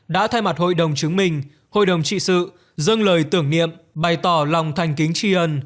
đã thay mặt hội đồng chứng minh hội đồng trị sự dâng lời tưởng niệm bày tỏ lòng thành kính chi ơn